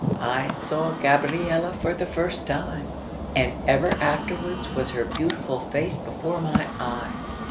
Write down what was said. I saw Gabriella for the first time; and ever afterwards was her beautiful face before my eyes.